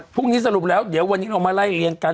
พรุ่งนี้สรุปแล้วเดี๋ยววันนี้เรามาไล่เรียงกัน